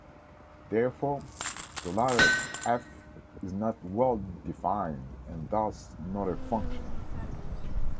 Therefore, the latter "f" is not well-defined and thus not a function.